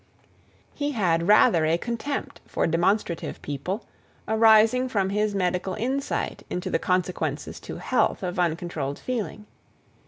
He had rather a contempt for demonstrative people, arising from his medical insight into the consequences to health of uncontrolled feeling.